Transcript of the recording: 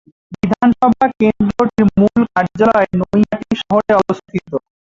বিধানসভা কেন্দ্রটির মূল কার্যালয় নৈহাটি শহরে অবস্থিত।